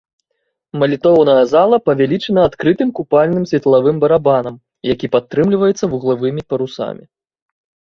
Малітоўная зала павялічана адкрытым купальным светлавым барабанам, які падтрымліваецца вуглавымі парусамі.